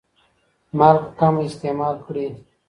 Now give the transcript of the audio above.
مالګه کمه استعمال کړئ.